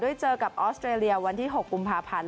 เจอกับออสเตรเลียวันที่๖กุมภาพันธ์